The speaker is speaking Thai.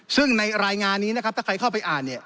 ซึ่งในรายงานนี้ถ้าใครเข้าไปอ่าน